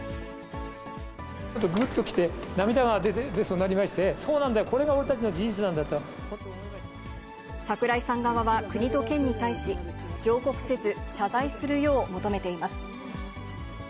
ぐっときて、涙が出そうになりまして、そうなんだよ、桜井さん側は国と県に対し、上告せず謝罪するよう求めています。